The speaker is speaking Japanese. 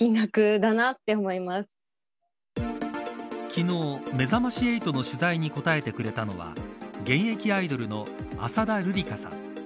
昨日、めざまし８の取材に答えてくれたのは現役アイドルの浅田るりかさん。